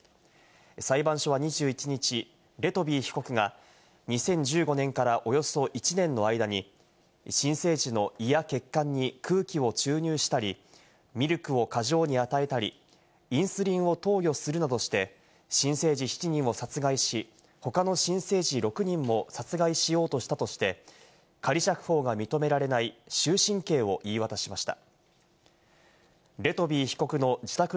裁判所は２１日、レトビー被告が２０１５年からおよそ１年の間に新生児の胃や血管に空気を注入したり、ミルクを過剰に与えたり、インスリンを投与するなどして、新生児７人を殺害し、他の新生児６人も殺害しようとしたとして、仮釈放が認められない終身刑を言い渡しました。